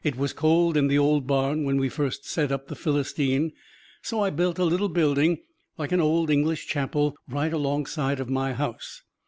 It was cold in the old barn where we first set up "The Philistine," so I built a little building like an old English chapel right alongside of my house.